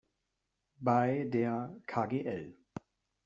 Bei der Kgl.